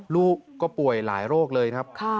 ลูกก็ป่วยหลายโรคเลยครับ